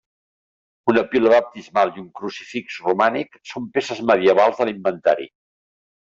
Una pila baptismal i un crucifix romànic són peces medievals de l'inventari.